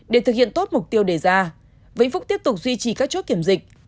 để thực hiện tốt mục tiêu đề ra vĩnh phúc tiếp tục duy trì các chốt kiểm dịch